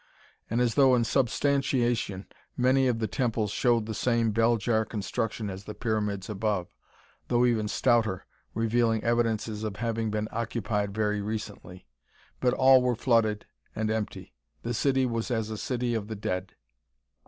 And as though in substantiation, many of the temples showed the same bell jar construction as the pyramids above, though even stouter, revealing evidences of having been occupied very recently; but all were flooded and empty. The city was as a city of the dead.